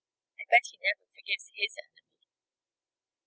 I bet he never forgives his Enemy!"